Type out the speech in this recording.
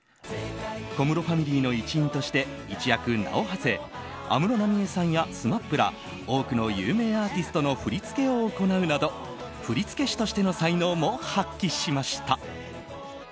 小室ファミリーの一員として一躍名を馳せ安室奈美恵さんやＳＭＡＰら多くの有名アーティストの振り付けを行うなど振付師としての才能も発揮しました。